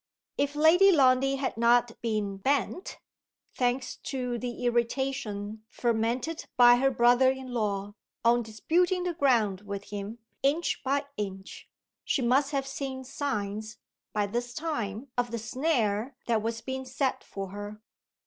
If Lady Lundie had not been bent thanks to the irritation fomented by her brother in law on disputing the ground with him, inch by inch, she must have seen signs, by this time, of the snare that was being set for her.